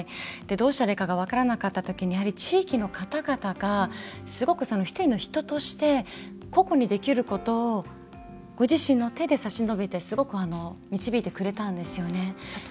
どうしたらいいかが分からなかった時にやはり地域の方々がすごく１人の人として個々にできることをご自身の手で差し伸べてすごく導いてくれたんですよね。